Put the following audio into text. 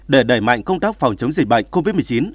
để đẩy mạnh công tác phòng chống dịch bệnh covid một mươi chín